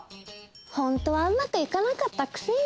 ホントはうまくいかなかったクセに。